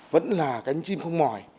vẫn là cánh chim không mỏi